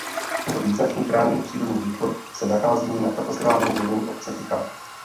Tento význačný chráněný přírodní výtvor se nachází na katastrálním území obce Tichá.